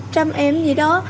trăm em gì đó